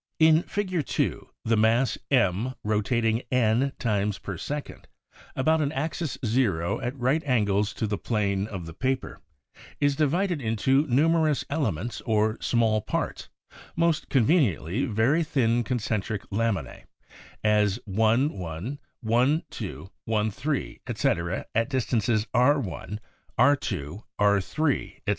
In Fig. 2 the mass M, rotating n times per second about an axis 0 at right angles to the plane of the paper, is divided into numerous elements or small parts, most conveniently very thin concentric laminae, as li, 12, Is, etc., at distances r,, r», r3, etc.